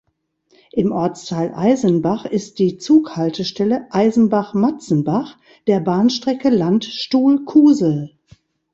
Im Ortsteil Eisenbach ist die Zug-Haltestelle "Eisenbach-Matzenbach" der Bahnstrecke Landstuhl–Kusel.